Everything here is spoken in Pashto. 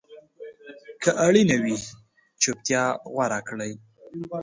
که اړینه وي، چپتیا غوره کړئ.